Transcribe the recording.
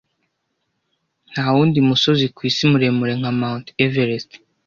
Nta wundi musozi kwisi muremure nka Mt. Everest.